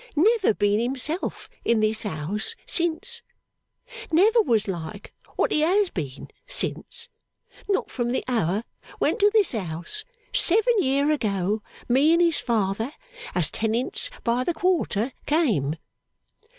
Never been himself in this house since. Never was like what he has been since, not from the hour when to this house seven year ago me and his father, as tenants by the quarter, came!